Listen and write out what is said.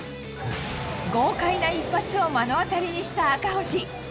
豪快な一発を目の当たりにした赤星。